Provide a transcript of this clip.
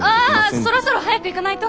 ああそろそろ早く行かないと。